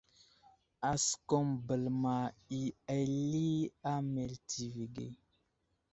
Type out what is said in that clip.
Asəkum bəlma i ali a meltivi age.